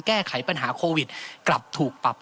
แก้ไขปัญหาโควิดกลับถูกปรับ